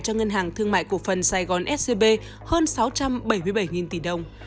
cho ngân hàng thương mại cổ phần sài gòn scb hơn sáu trăm bảy mươi bảy tỷ đồng